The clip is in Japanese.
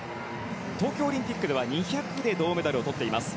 東京オリンピックでは２００で銅メダルをとっています。